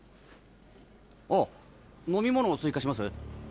あっ飲み物追加します？